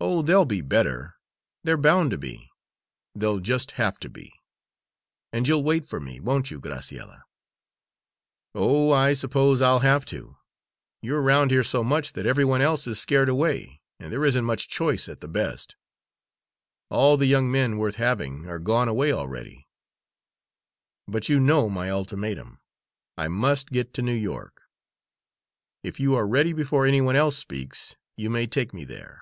"Oh, they'll be better they're bound to be! They'll just have to be. And you'll wait for me, won't you, Graciella?" "Oh, I suppose I'll have to. You're around here so much that every one else is scared away, and there isn't much choice at the best; all the young men worth having are gone away already. But you know my ultimatum I must get to New York. If you are ready before any one else speaks, you may take me there."